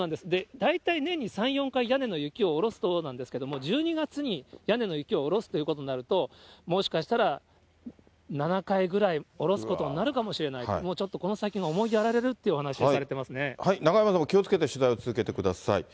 大体年に３、４回、屋根の雪を下ろすそうなんですけど、１２月に屋根の雪を下ろすということになると、もしかしたら７回ぐらい下ろすことになるかもしれないと、もうちょっとこの先が思いやられ中山さんも気をつけて取材を続けてください。